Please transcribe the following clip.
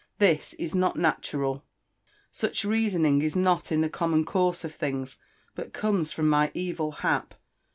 This is not nataral. Such reawniag Is not in tbe common course of tilings, but comes from my evil hap."